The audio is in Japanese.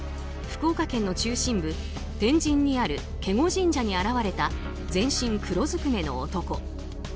福岡県の中心部天神にある警固神社に現れた全身黒ずくめの男。